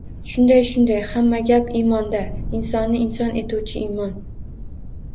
— Shunday, shunday. Hamma gap — imonda! Insonni inson etuvchi — imon.